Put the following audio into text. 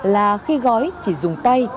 là khi gói chỉ dùng tay